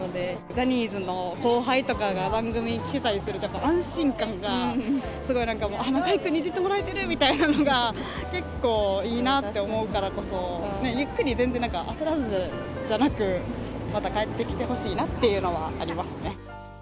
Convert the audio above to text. ジャニーズの後輩とかが番組に来てたりすると、安心感がすごいなんかもう、中居君にいじってもらえるみたいなのが結構いいなって思うからこそね、ゆっくり全然、焦らずじゃなく、また帰ってきてほしいなっていうのはありますね。